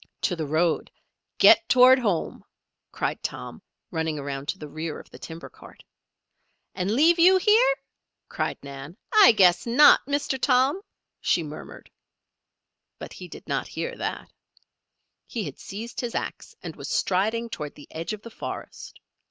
"To the road. Get toward home!" cried Tom, running around to the rear of the timber cart. "And leave you here?" cried Nan. "I guess not, Mr. Tom!" she murmured. But he did not hear that. He had seized his axe and was striding toward the edge of the forest.